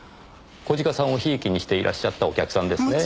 小鹿さんを贔屓にしていらっしゃったお客さんですね？